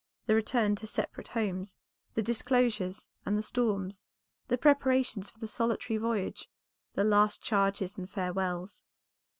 the return to separate homes, the disclosures, and the storms; the preparations for the solitary voyage, the last charges and farewells.